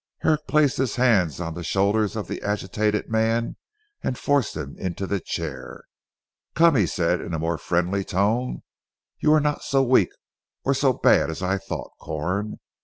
Herrick placed his hands on the shoulders of the agitated man and forced him into the chair. "Come," said he in a more friendly tone, "you are not so weak or so bad as I thought Corn.